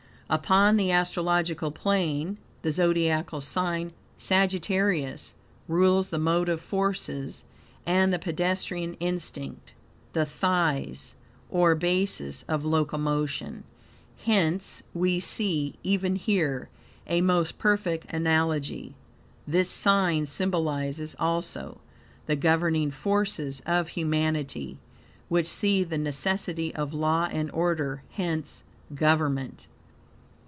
Upon the astrological plane, the zodiacal sign Sagittarius rules the motive forces and the pedestrian instinct, the thighs, or basis of locomotion; hence, we see, even here, a most perfect analogy. This sign symbolizes, also, the governing forces of humanity, which see the necessity of law and order; hence government.